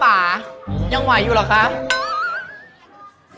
ป๊ายังไหวอยู่หรือครับ